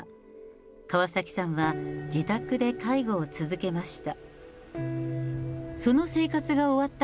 川崎さんは、自宅で介護を続けました。